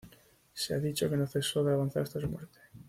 Se ha dicho que no cesó de avanzar hasta su muerte.